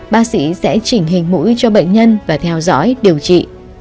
bác sĩ sẽ chỉnh hình mũi cho bệnh nhân và theo dõi điều trị